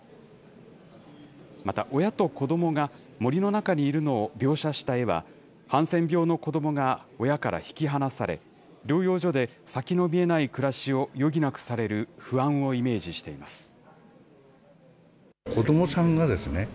また親と子どもが森の中にいるのを描写した絵は、ハンセン病の子どもが親から引き離され、療養所で先の見えない暮らしを余儀なくされる不安をイメージしています。